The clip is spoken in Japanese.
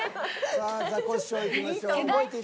さあザコシショウいきましょう。